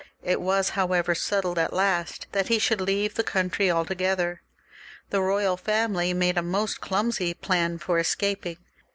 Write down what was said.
It was, however, settled at last that he should leave the country altogether. The royal family made a most clumsy plan for escaping.